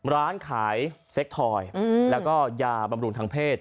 ร้านขายเซ็กทอยแล้วก็ยาบำรุงทางเพศ